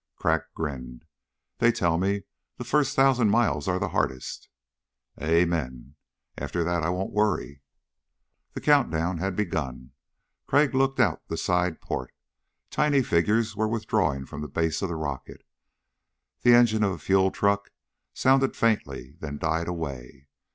Crag grinned. "They tell me the first thousand miles are the hardest." "Amen. After that I won't worry." The countdown had begun. Crag looked out the side port. Tiny figures were withdrawing from the base of the rocket. The engine of a fuel truck sounded faintly, then died away.